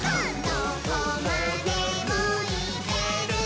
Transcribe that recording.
「どこまでもいけるぞ！」